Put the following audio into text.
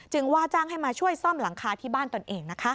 ว่าจ้างให้มาช่วยซ่อมหลังคาที่บ้านตนเองนะคะ